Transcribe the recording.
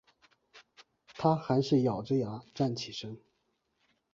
她还是咬著牙站起身